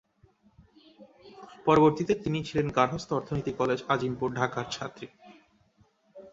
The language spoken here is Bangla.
পরবর্তীতে তিনি ছিলেন গার্হস্থ্য অর্থনীতি কলেজ, আজিমপুর, ঢাকার ছাত্রী।